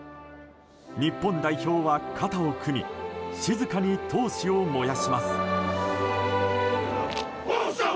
日本代表は肩を組み静かに闘志を燃やします。